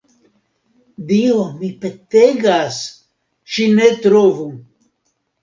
Dio, mi petegas, ŝi ne trovu!